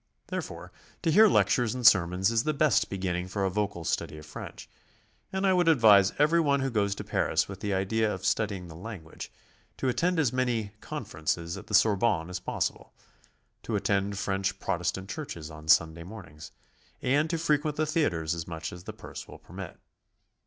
Therefore, to hear lectures and ser mons is the best beginning for a vocal study of French, and I would advise every one who goes to Paris with the idea of studying the language, to attend as many "conferences" at the Sorbonne as possible, to attend French Protestaut churches on Sunday mornings, and to frequent the theatres as much as the purse will permit.